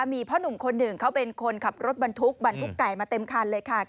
มีพ่อหนุ่มคนหนึ่งเขาเป็นคนขับรถบรรทุกบรรทุกไก่มาเต็มคันเลยค่ะ